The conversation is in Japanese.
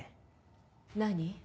何？